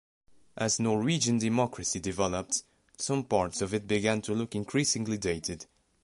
As Norwegian democracy developed, some parts of it began to look increasingly dated.